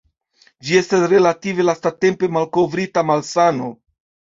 Ĝi estas relative lastatempe malkovrita malsano.